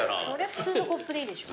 普通のコップでいいでしょ。